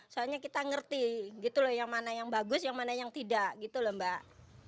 soalnya kita ngerti gitu loh yang mana yang bagus yang mana yang tidak gitu loh mbak